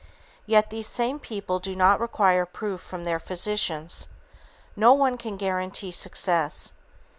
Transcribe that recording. Yet, these same people do not require proof from their physicians. No one can guarantee success.